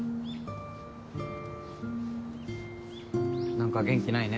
何か元気ないね。